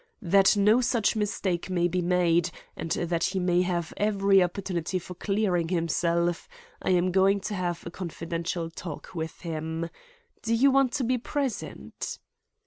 That no such mistake may be made and that he may have every opportunity for clearing himself, I am going to have a confidential talk with him. Do you want to be present?"